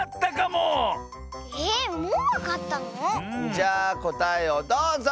じゃあこたえをどうぞ！